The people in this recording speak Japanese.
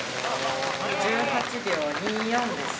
１８秒２４です。